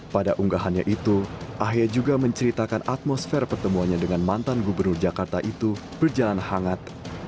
pada unggahannya itu ahaya juga menceritakan atmosfer pertemuannya dengan mantan gubernur jakarta itu berjalan hangat